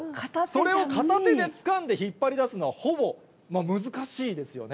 それを片手でつかんで引っ張り出すのは、ほぼ難しいですよね。